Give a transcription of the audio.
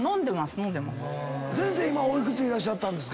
今お幾つでいらっしゃったんですか？